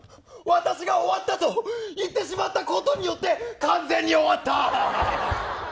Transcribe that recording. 私が終わったと言ってしまったことによって完全に終わった。